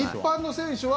選手は。